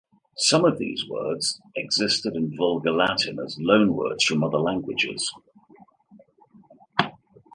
Some of these words existed in Vulgar Latin as loanwords from other languages.